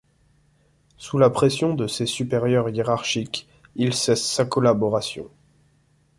Sous la pression de ses supérieurs hiérarchiques, il cesse sa collaboration.